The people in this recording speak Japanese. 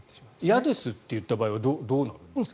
嫌ですといった場合はどうなるんですか。